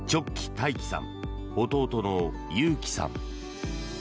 大喜さん、弟の悠喜さん。